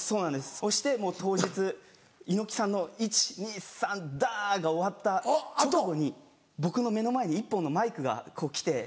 そしてもう当日猪木さんの「１・２・３ダ！」が終わった直後に僕の目の前に１本のマイクがこう来て。